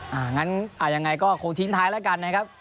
หนึ่งก็คงทิ้งท้ายแล้วกันนะครับ